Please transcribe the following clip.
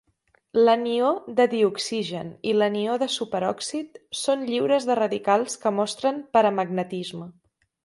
L"anió de dioxígen i l"anió de superòxid són lliures de radicals que mostren paramagnetisme.